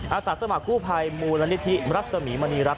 อาสาสมกุภัยมูลณิธิรัศมีมณีรัก